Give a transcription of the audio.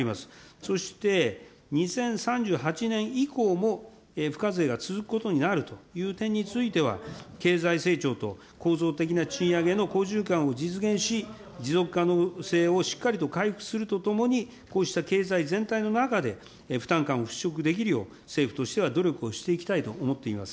そして、２０３８年以降も付加税が続くことになるという点については、経済成長と構造的な賃上げの好循環を実現し、持続可能性をしっかりと回復するとともに、こうした経済全体の中で、負担感を払拭できるよう政府としては努力をしていきたいと思っています。